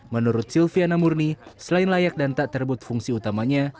menurut silviana murni selain layak dan tak terbut fungsi utamanya